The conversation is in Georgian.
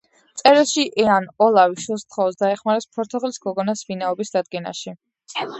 წერილში იან ოლავი შვილს სთხოვს, დაეხმაროს ფორთოხლის გოგონას ვინაობის დადგენაში.